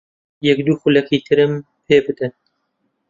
یەک دوو خولەکی ترم پێ بدەن.